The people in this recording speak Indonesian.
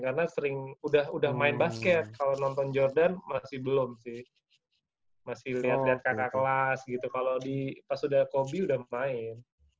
karena sering udah main basket kalau nonton jordan masih belum sih masih liat kakak kelas gitu kalau pas udah kobe udah main